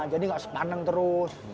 jadi gak sepaneng terus